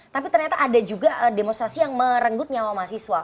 tapi ternyata ada juga demonstrasi yang merenggut nyawa mahasiswa